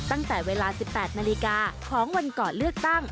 ตั้งแต่เวลา๑๘นาฬิกาของวันก่อนเลือกตั้ง